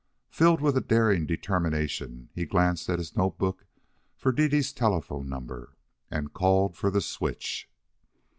Filled with a daring determination, he glanced at his note book for Dede's telephone number, and called for the switch.